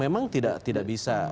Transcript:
memang tidak bisa